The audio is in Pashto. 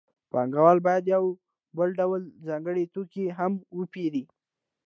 پانګوال باید یو بل ډول ځانګړی توکی هم وپېري